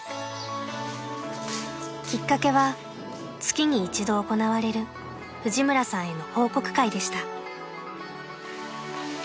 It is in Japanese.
［きっかけは月に１度行われる藤村さんへの報告会でした］